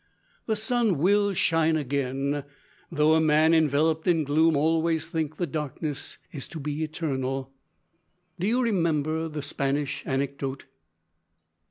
"The sun will shine again, though a man enveloped in gloom always thinks the darkness is to be eternal. Do you remember the Spanish anecdote?